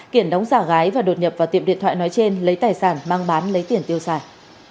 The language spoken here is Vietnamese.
kiển đóng giả gái và đột nhập vào tiệm điện thoại nói trên lấy tài sản mang bán lấy tiền tiêu xài